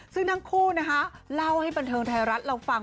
ซึ่งทั้งคู่นะคะเล่าให้บันเทิงไทยรัฐเราฟัง